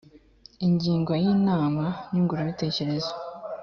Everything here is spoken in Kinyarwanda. ingingo ya inama nyunguranabitekerezo